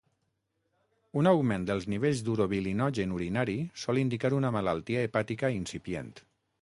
Un augment dels nivells d'urobilinogen urinari sol indicar una malaltia hepàtica incipient.